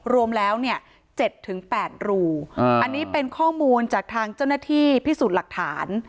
รวมแล้วเนี่ย๗๘รูอันนี้เป็นข้อมูลจากทางเจ้าหน้าที่พิสูจน์หลักฐาน